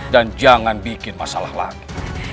dan jangan bikin masalah lagi